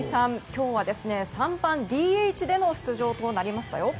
今日は３番ＤＨでの出場となりましたよ。